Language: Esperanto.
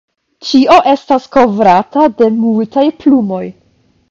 Ĉio estas kovrata de multaj plumoj.